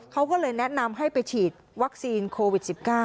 เขาก็เลยแนะนำให้ไปฉีดวัคซีนโควิด๑๙